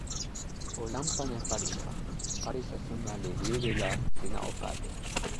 o lanpan e palisa. palisa sina li lili la sina o pali.